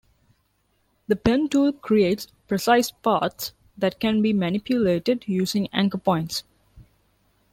The pen tool creates precise paths that can be manipulated using anchor points.